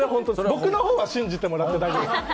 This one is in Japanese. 僕のほうは信じてもらって大丈夫です。